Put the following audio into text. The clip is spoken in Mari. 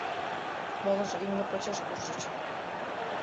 Молыжо имне почеш куржыч.